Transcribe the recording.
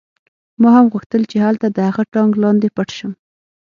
ما هم غوښتل چې هلته د هغه ټانک لاندې پټ شم